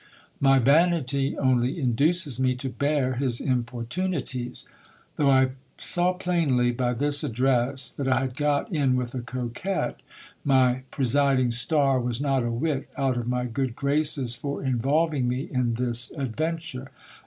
My vanity only induces me to bear his importunities. Though I saw plainly, by this address, that I had got in with a coquet, my presiding star was not a whit out of my good graces for involving me in this adventure.